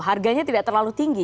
harganya tidak terlalu tinggi